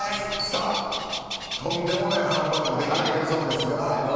さあとんでもないハンバーグ出来上がりそうですが。